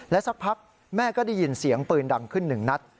สักพักแม่ก็ได้ยินเสียงปืนดังขึ้นหนึ่งนัด